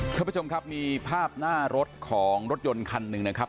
ท่านผู้ชมครับมีภาพหน้ารถของรถยนต์คันหนึ่งนะครับ